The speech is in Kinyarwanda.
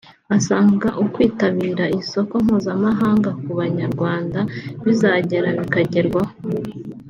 asanga ukwitabira isoko mpuzamahanga ku Banyarwanda bizagera bikagerwaho